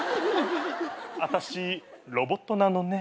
あたしロボットなのね。